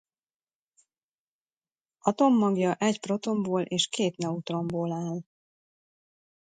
Atommagja egy protonból és két neutronból áll.